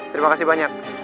terima kasih banyak